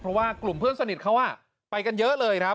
เพราะว่ากลุ่มเพื่อนสนิทเขาไปกันเยอะเลยครับ